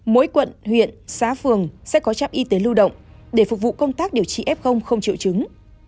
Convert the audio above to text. mỗi quận huyện xã phường sẽ có trạm y tế lưu động để phục vụ công tác điều trị f không triệu chứng